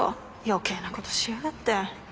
余計なことしやがって。